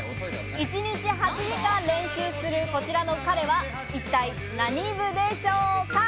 １日８時間練習するこちらの彼は一体何部でしょうか？